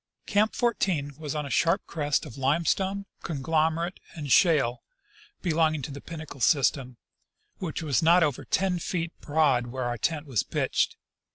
Camp 14 was on a sharp crest of limestone, conglomerate, and shale belonging to the Pinnacle system, which was not over ten feet broad where our tent was pitched.